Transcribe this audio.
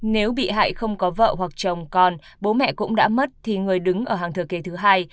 nếu bị hại không có vợ hoặc chồng còn bố mẹ cũng đã mất thì người đứng ở hàng thừa kỳ thứ hai